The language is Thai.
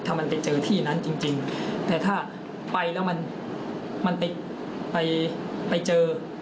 ถ้ามันไปเจอที่นั้นจริงแต่ถ้าไปแล้วมันไปไปเจอ